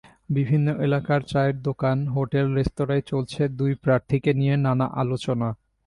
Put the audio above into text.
বিভিন্ন এলাকার চায়ের দোকান, হোটেল-রেস্তোরাঁয় চলছে দুই প্রার্থীকে নিয়ে নানা আলোচনা।